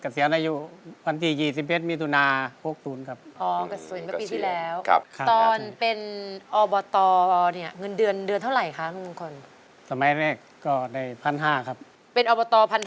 สวัสดีครับ